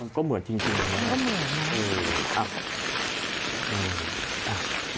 ก็เหมือนจริงนะครับ